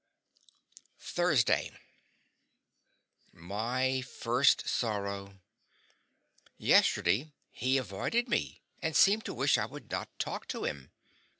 THURSDAY. my first sorrow. Yesterday he avoided me and seemed to wish I would not talk to him.